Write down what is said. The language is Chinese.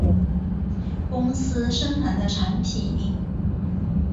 公司生产的产品